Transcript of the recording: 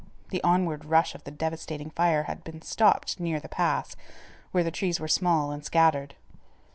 The onward rush of the devastating fire had been stopped near the pass, where the trees were small and scattered.